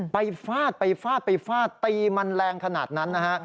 ฟาดไปฟาดไปฟาดตีมันแรงขนาดนั้นนะฮะ